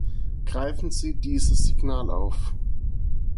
Greifen Sie dieses Signal auf.